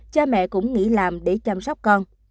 cha mẹ cũng nghỉ làm để chăm sóc con